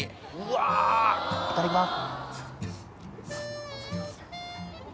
いただきます。